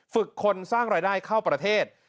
ฝึกคนสร้างรายได้เข้าประเทศ